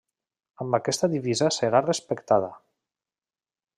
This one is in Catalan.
Amb aquesta divisa serà respectada.